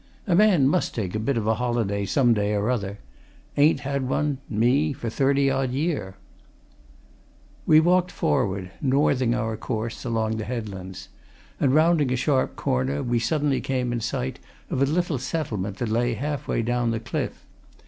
A man must take a bit of a holiday some day or other. Ain't had one me for thirty odd year." We walked forward, northing our course, along the headlands. And rounding a sharp corner, we suddenly came in sight of a little settlement that lay half way down the cliff.